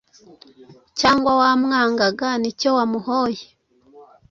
cyangwa wamwangaga nicyo wamuhoye